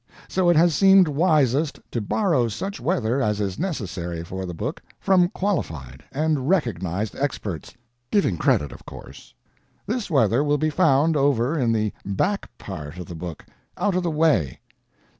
So it has seemed wisest to borrow such weather as is necessary for the book from qualified and recognized experts—giving credit, of course. This weather will be found over in the back part of the book, out of the way.